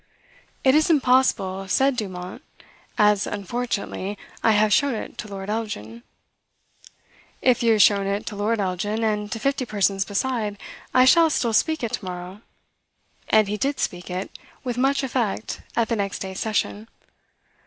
"It is impossible," said Dumont, "as, unfortunately, I have shown it to Lord Elgin." "If you have shown it to Lord Elgin, and to fifty persons beside, I shall still speak it to morrow:" and he did speak it, with much effect, at the next day's session.